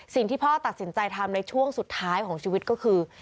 สิ่งที่พ่อตัดสินใจทำในช่วงสุดท้ายของชีวิตก็คือ